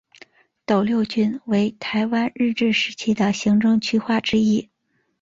斗六郡为台湾日治时期的行政区划之一。